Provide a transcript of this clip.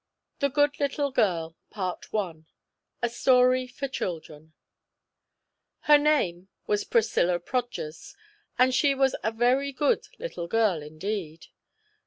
THE GOOD LITTLE GIRL A STORY FOR CHILDREN Her name was Priscilla Prodgers, and she was a very good little girl indeed.